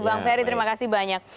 bang ferry terima kasih banyak